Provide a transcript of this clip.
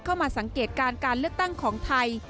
มาสังเกตการการเลือกตั้งของไทย